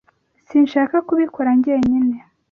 Sinshaka kubikora njyenyine.